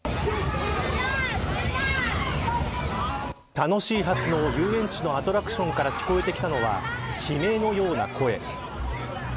楽しいはずの遊園地のアトラクションから聞こえてきたのは悲鳴のような声。